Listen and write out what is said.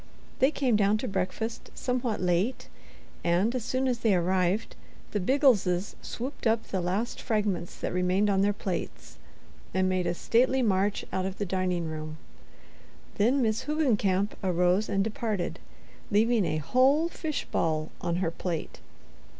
They came down to breakfast somewhat late, and, as soon as they arrived, the Biggleses swooped up the last fragments that remained on their plates, and made a stately march out of the dining room, Then Miss Hoogencamp arose and departed, leaving a whole fish ball on her plate.